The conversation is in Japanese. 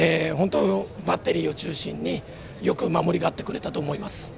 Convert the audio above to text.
バッテリーを中心によく守り勝ってくれたと思います。